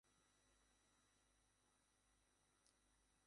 যে আর সন্তান ধারণ করতে পারবে না।